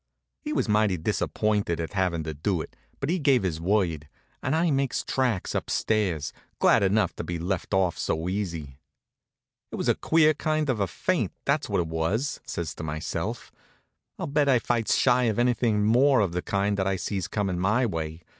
He was mighty disappointed at havin' to do it, but he gave his word, and I makes tracks up stairs, glad enough to be let off so easy. "It was a queer kind of a faint, if that's what it was," says I to myself. "I'll bet I fights shy of anything more of the kind that I sees comin' my way.